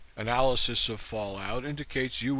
Analysis of fallout indicates U.